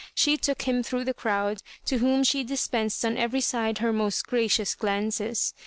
She took liim through the crowd, to' whom she dispensed on every side her most gracious glances.